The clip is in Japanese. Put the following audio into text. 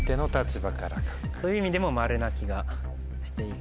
そういう意味でも「○」な気がしていて。